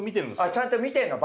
ちゃんと見てるの？